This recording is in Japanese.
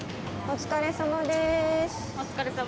お疲れさまです。